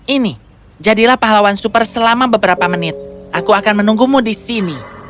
ini jadilah pahlawan super selama beberapa menit aku akan menunggumu di sini